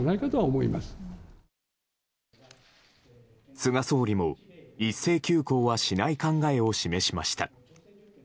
菅総理も、一斉休校はしない考えを示しました。